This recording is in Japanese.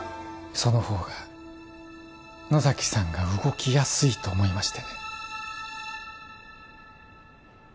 その方が野崎さんが動きやすいと思いましてね